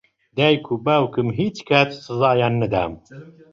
دایک و باوکم هیچ کات سزایان نەدام.